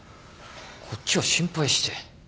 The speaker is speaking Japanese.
こっちは心配して。